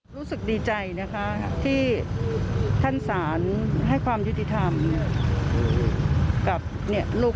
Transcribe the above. รู้สึกดีใจนะคะที่ท่านศาลให้ความยุติธรรมกับลูก